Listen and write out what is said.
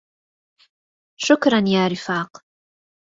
شكرا يا رفاق.